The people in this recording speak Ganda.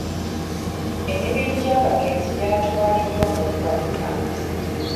Emibiri gy'abagenzi gyatwaliddwa mu ggwanika.